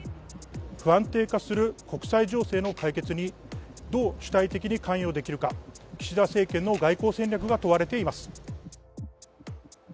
不安定化する国際情勢の解決にどう主体的に関与できるか、岸田政権の外交戦略が問われています。